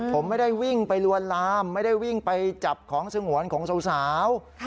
ผมไม่ได้วิ่งไปลวนลามไม่ได้วิ่งไปจับของสงวนของสาว